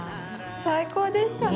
最高でしたね。